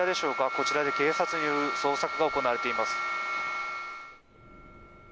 こちらで警察による捜索が行われています。